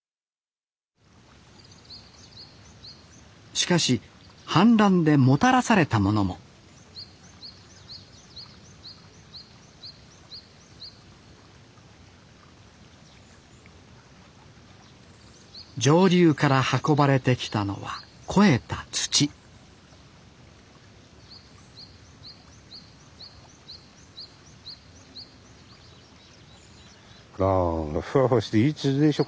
しかし氾濫でもたらされたものも上流から運ばれてきたのは肥えた土ほらふわふわしていい土でしょ